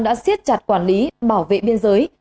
đã siết chặt quản lý bảo vệ biên giới